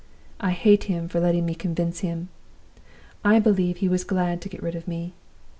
I hate him for letting me convince him! I believe he was glad to get rid of me.